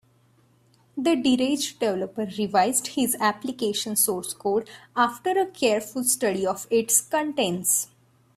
The deranged developer revised his application source code after a careful study of its contents.